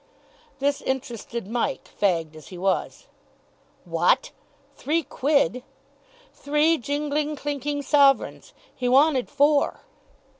This interested Mike, fagged as he was. "What! Three quid!" "Three jingling, clinking sovereigns. He wanted four."